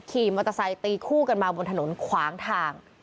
ขี่มอเตอร์ไซค์ตีคู่กันมาบนถนนขวางทาง